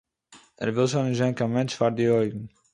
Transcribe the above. ער וויל שוין נישט זען קיין מענטש פאר די אויגן